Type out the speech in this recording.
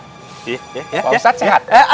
pak ustadz sehat